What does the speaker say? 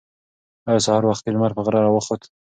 ایا سهار وختي لمر په غره راوخوت؟